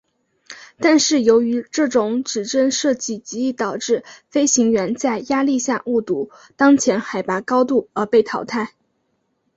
但是由于这种指针设计极易导致飞行员在压力下误读当前海拔高度而被淘汰。